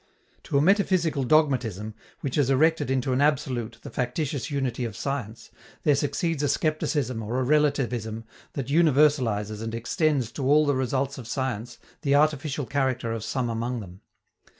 To a metaphysical dogmatism, which has erected into an absolute the factitious unity of science, there succeeds a skepticism or a relativism that universalizes and extends to all the results of science the artificial character of some among them.